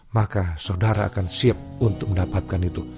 maka saudara akan siap untuk mendapatkan itu